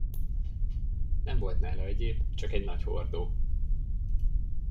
Nem volt nála egyéb, csak egy nagy hordó.